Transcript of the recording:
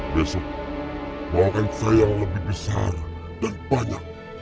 besok doang saya yang lebih besar dan banyak